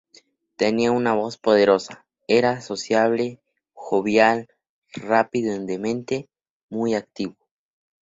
Tenía una voz poderosa, era sociable, jovial, rápido de mente, muy activo.